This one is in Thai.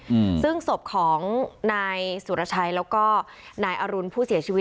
อืมซึ่งศพของนายสุรชัยแล้วก็นายอรุณผู้เสียชีวิต